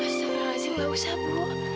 astagfirullahaladzim gak usah bu